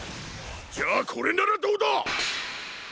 じゃあこれならどうだ！